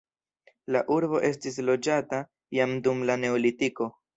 La urbo estis loĝata jam dum la neolitiko.